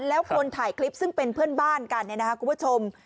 แล้วคนถ่ายคลิปซึ่งเป็นเพื่อนบ้านกันเนี่ยนะครับคุณผู้ชม